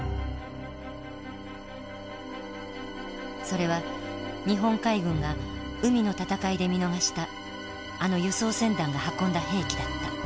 それは日本海軍が海の戦いで見逃したあの輸送船団が運んだ兵器だった。